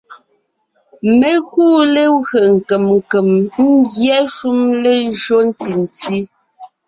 Mé kúu legwé nkèm nkèm ngyɛ́ shúm lejÿo ntí nti;